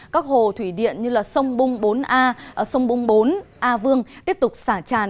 các hồ thủy điện như sông bung bốn a sông bung bốn a vương tiếp tục xả tràn